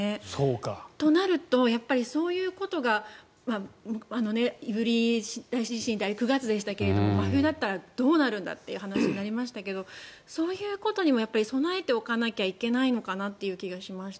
となると、そういうことが胆振大地震、あれ９月でしたけど真冬だったらどうなるんだって話もありますけどそういうことにも備えておかなきゃいけないのかなという気がしました。